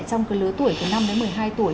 trong cái lứa tuổi từ năm đến một mươi hai tuổi